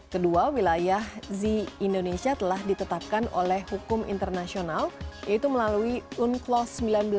kedua wilayah z indonesia telah ditetapkan oleh hukum internasional yaitu melalui unclos seribu sembilan ratus sembilan puluh